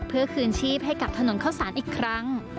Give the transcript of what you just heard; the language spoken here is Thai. เพื่อคืนชีพให้กับถนนเข้าสารอีกครั้ง